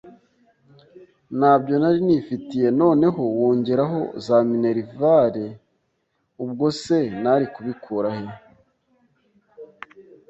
ntabyo nari nifitiye! Noneho wongereho za minerivali…ubwo se nari kubikurahe